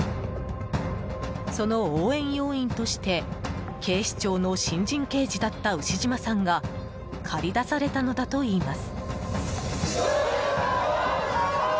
その応援要員として警視庁の新人刑事だった牛島さんが駆り出されたのだといいます。